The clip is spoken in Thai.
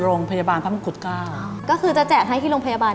โรงพยาบาลภาคมกุฎก้า